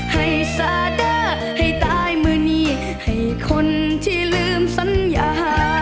ให้ซาด้าให้ตายมือนี้ให้คนที่ลืมสัญญา